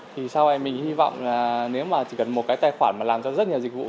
thì sau này mình hy vọng là nếu mà chỉ cần một cái tài khoản mà làm cho rất nhiều dịch vụ